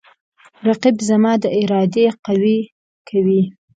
رقیب زما د ارادې قوی کوي